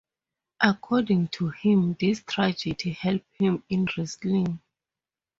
According to him, this tragedy helped him in wrestling.